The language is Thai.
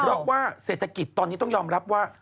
เพราะว่าเศรษฐกิจตอนนี้ต้องยอมรับว่า